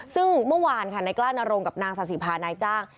ซึ่งเมื่อวานค่ะนายกล้านรงกับนางศาสิภานายจ้าง